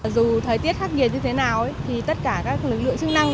dù thời tiết khắc nhiệt như thế nào tất cả các lực lượng chức năng